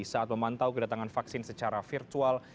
saat memantau kedatangan vaksin secara virtual